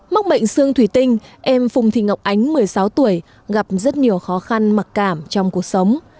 mắc bệnh sương thủy tinh em phùng thị ngọc ánh một mươi sáu tuổi gặp rất nhiều khó khăn mặc cảm trong cuộc sống